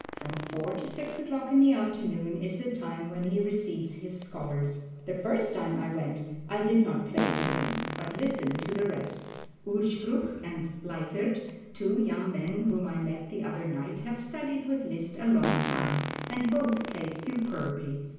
From four to six o'clock in the afternoon is the time when he receives his scholars. The first time I went I did not play to him, but listened to the rest. Urspruch and Leitert, two young men whom I met the other night, have studied with Liszt a long time, and both play superbly.